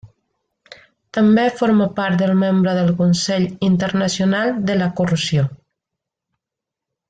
També forma part del Membre del Consell Internacional de la Corrosió.